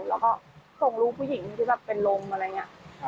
แล้วก็ส่งลูกผู้หญิงที่แบบเป็นลมอะไรอย่างนี้